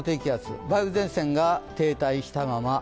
梅雨前線が停滞したまま。